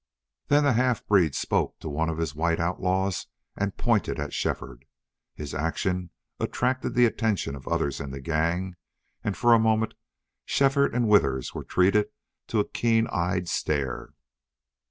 Then the half breed spoke to one of his white outlaws and pointed at Shefford. His action attracted the attention of others in the gang, and for a moment Shefford and Withers were treated to a keen eyed stare.